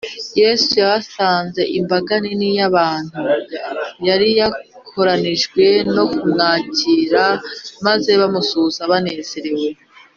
yesu yahasanze imbaga nini y’abantu yari yakoranyijwe no kumwakira maze bamuramutsa banezerewe